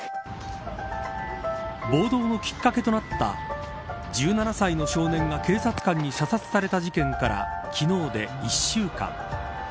暴動のきっかけとなった１７歳の少年が警察官に射殺された事件から昨日で１週間。